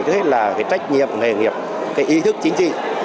trước hết là cái trách nhiệm nghề nghiệp cái ý thức chính trị